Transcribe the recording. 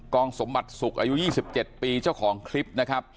องสมบัติศุกร์อายุ๒๗ปีเจ้าของคลิปนะครับ